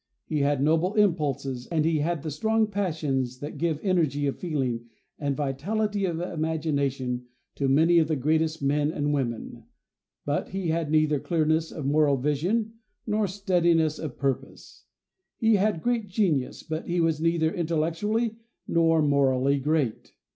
He had noble impulses, and he had the strong passions that give energy of feeling and vitality of imagination to many of the greatest men and women; but he had neither clearness of moral vision nor steadiness of purpose. He had great genius; but he was neither intellectually nor morally great.